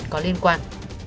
có liên quan